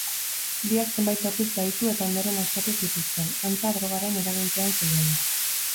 Biak zenbait orduz bahitu eta ondoren askatu zituzten, antza drogaren eraginpean zeudela.